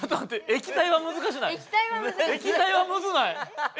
液体はむずない？